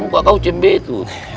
kau cembe itu